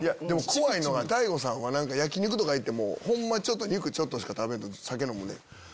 怖いのが大悟さんは焼き肉とか行ってもホンマ肉ちょっとしか食べんと酒飲むねん。